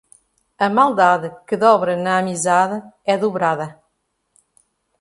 A maldade que dobra na amizade é dobrada.